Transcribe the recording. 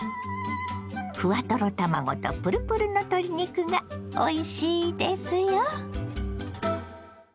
ふわトロ卵とプルプルの鶏肉がおいしいですよ。